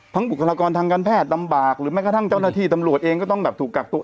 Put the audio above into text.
บุคลากรทางการแพทย์ลำบากหรือแม้กระทั่งเจ้าหน้าที่ตำรวจเองก็ต้องแบบถูกกักตัว